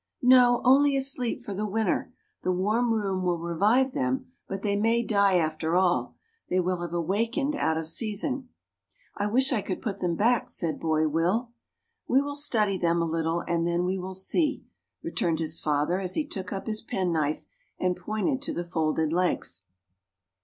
"No, only asleep for the winter. The warm room will revive them but they may die after all. They will have awakened out of season." "I wish I could put them back," said Boy Will. "We will study them a little and then we will see," returned his father as he took up his penknife and pointed to the folded legs.